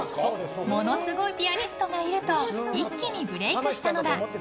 ものすごいピアニストがいると一気にブレークしたのだ。